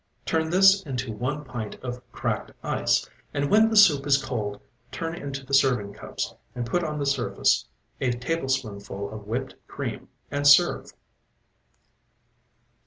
Turn this into one pint of cracked ice, and when the soup is cold, turn into the serving cups, and put on the surface a tablespoonful of whipped cream, and serve.